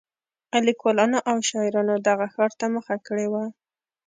لیکوالانو او شاعرانو دغه ښار ته مخه کړې وه.